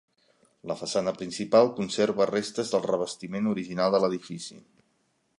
La façana principal conserva restes del revestiment original de l'edifici.